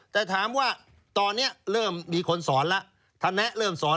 แต่ถามว่าตอนนี้เริ่มมีคนสอนแล้ว